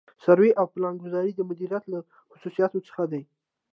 سروې او پلانګذاري د مدیریت له خصوصیاتو څخه دي.